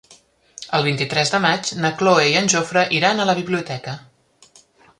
El vint-i-tres de maig na Cloè i en Jofre iran a la biblioteca.